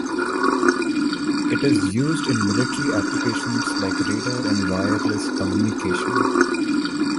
It is used in military applications like radar and wireless communication.